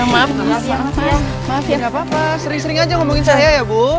gak apa apa sering sering aja ngomongin saya ya bu